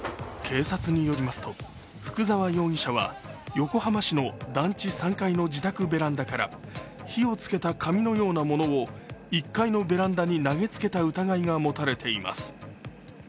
警察によりますと、福沢容疑者は横浜市の団地３階の自宅ベランダから火をつけた紙のようなものを１階のベランダに投げつけた疑いが持たれています。